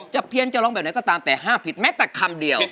เพี้ยนจะร้องแบบไหนก็ตามแต่ห้ามผิดแม้แต่คำเดียว